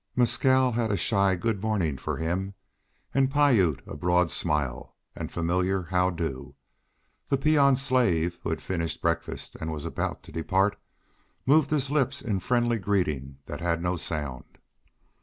Mescal had a shy "good morning" for him, and Piute a broad smile, and familiar "how do"; the peon slave, who had finished breakfast and was about to depart, moved his lips in friendly greeting that had no sound.